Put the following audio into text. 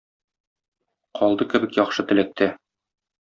Калды кебек яхшы теләктә.